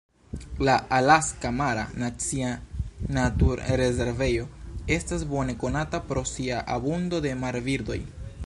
La Alaska Mara Nacia Naturrezervejo estas bone konata pro sia abundo de marbirdoj.